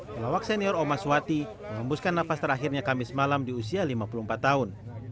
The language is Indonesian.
pelawak senior omas wati mengembuskan nafas terakhirnya kamis malam di usia lima puluh empat tahun